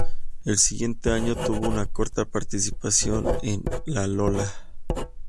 El siguiente año tuvo una corta participación en "Lalola".